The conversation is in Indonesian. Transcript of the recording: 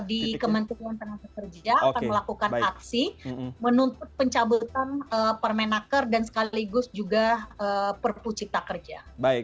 di kementerian tenaga kerja akan melakukan aksi menuntut pencabutan permenaker dan sekaligus juga perpu cipta kerja